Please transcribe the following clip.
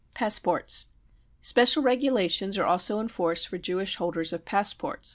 Passports. Special regulations are also in force for Jewish holders of passports.